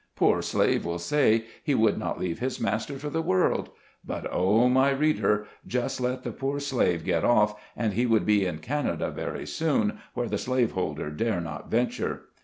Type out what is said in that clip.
Poor slave will say, he would not leave his master for the world; but oh, my reader! just let the poor slave get off, and he would be in Canada very soon, where the slaveholder dare not venture.